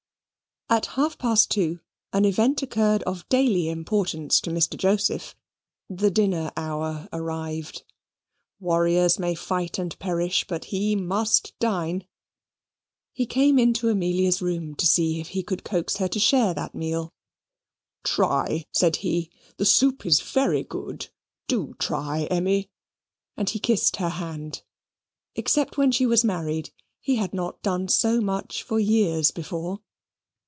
At half past two, an event occurred of daily importance to Mr. Joseph: the dinner hour arrived. Warriors may fight and perish, but he must dine. He came into Amelia's room to see if he could coax her to share that meal. "Try," said he; "the soup is very good. Do try, Emmy," and he kissed her hand. Except when she was married, he had not done so much for years before.